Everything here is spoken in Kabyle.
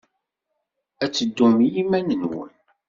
Ad teddum i yiman-nwen.